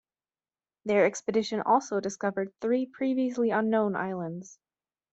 Their expedition also discovered three previously unknown islands.